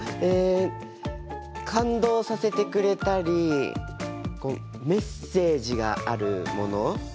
え感動させてくれたりメッセージがあるもの？